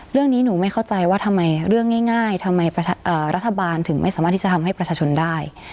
เรื่องนี้หนูไม่เข้าใจว่าทำไมเรื่องง่ายทำไมรัฐบาลถึงไม่สามารถที่จะทำให้ประชาชนได้